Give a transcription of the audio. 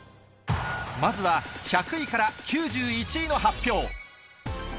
まずは１００位から９１位の発表。